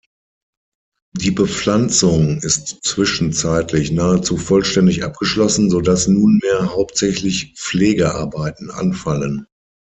Die Bepflanzung ist zwischenzeitlich nahezu vollständig abgeschlossen, sodass nunmehr hauptsächlich Pflegearbeiten anfallen.